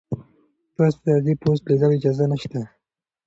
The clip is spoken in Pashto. تاسي ته د دې پوسټ د لیدو اجازه نشته.